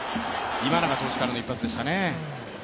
今永投手からの一発でしたね。